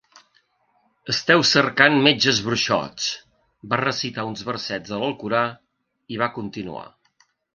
"Esteu cercant metges bruixots". Va recitar uns versets de l'Alcorà i va continuar.